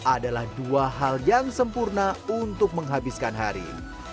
adalah dua hal yang sempurna untuk menghabiskan hari